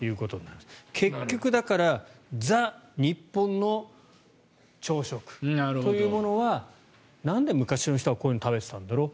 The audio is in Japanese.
結局、だからザ・日本の朝食というものはなんで昔の人はこういうの食べてたんだろう